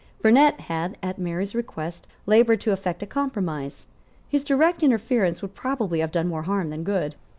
Burnet had, at Mary's request, laboured to effect a compromise. His direct interference would probably have done more harm than good.